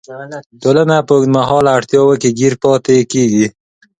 ټولنه په اوږدمهاله اړتیاوو کې ګیر پاتې کیږي.